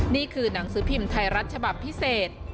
นี่คือหนังสือพิมพ์ไทยรัฐฉบับพิเศษ